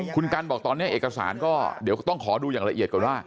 คุณกันบอกตอนนี้เอกสารก็เดี๋ยวต้องขอดูอย่างละเอียดก่อนว่า